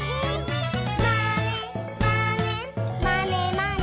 「まねまねまねまね」